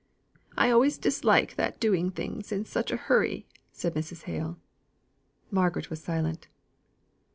"I always dislike that doing things in such a hurry," said Mrs. Hale. Margaret was silent.